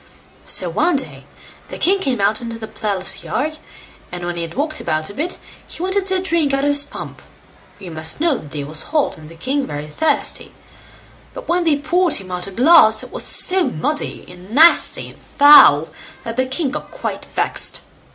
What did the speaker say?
So one day the king came out into the palace yard, and when he had walked about a bit, he wanted to drink out of his pump; for you must know the day was hot, and the king very thirsty; but when they poured him out a glass, it was so muddy, and nasty, and foul, that the king got quite vexed.